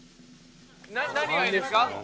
何がいいですか？